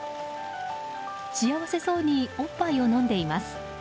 幸せそうにおっぱいを飲んでいます。